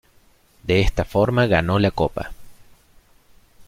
De esta forma ganó la Copa.